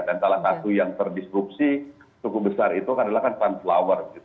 dan salah satu yang terdisrupsi cukup besar itu adalah kan sunflower